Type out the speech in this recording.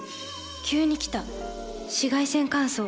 急に来た紫外線乾燥。